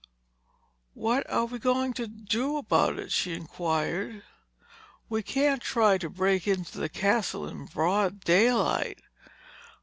"What are we going to do about it?" she inquired. "We can't try to break into the Castle in broad daylight."